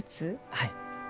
はい。